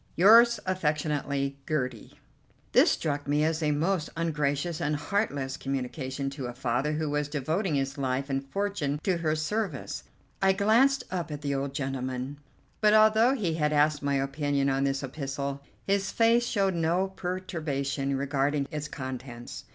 "Yours affectionately, "GERTIE." This struck me as a most ungracious and heartless communication to a father who was devoting his life and fortune to her service. I glanced up at the old gentleman; but, although he had asked my opinion on this epistle, his face showed no perturbation regarding its contents.